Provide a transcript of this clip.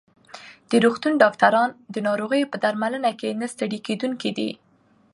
د روغتون ډاکټران د ناروغانو په درملنه کې نه ستړي کېدونکي دي.